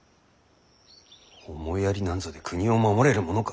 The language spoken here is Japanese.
思いやりなんぞで国を守れるものか。